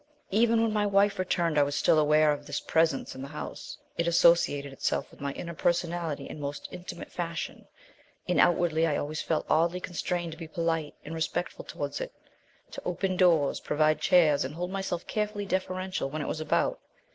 "Even when my wife returned I was still aware of this Presence in the house; it associated itself with my inner personality in most intimate fashion; and outwardly I always felt oddly constrained to be polite and respectful towards it to open doors, provide chairs and hold myself carefully deferential when it was about.